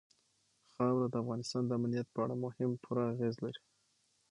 خاوره د افغانستان د امنیت په اړه هم پوره اغېز لري.